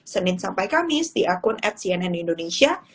senin sampai kamis di akun atcnn indonesia